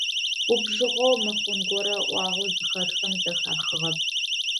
Губжыгъэу, мыхъун горэ ыӏуагъэу зыхэтхэм зэхахыгъэп.